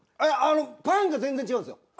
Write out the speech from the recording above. いやあのパンが全然違うんですよ。